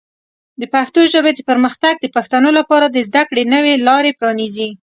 د پښتو ژبې پرمختګ د پښتنو لپاره د زده کړې نوې لارې پرانیزي.